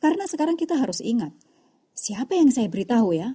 karena sekarang kita harus ingat siapa yang saya beritahu kapan dimana